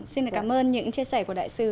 xin cảm ơn những chia sẻ của đại sứ